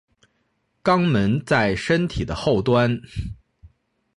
肛门在身体的后端。